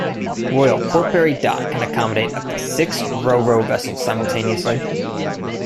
Royal Portbury Dock can accommodate up to six RoRo vessels simultaneously.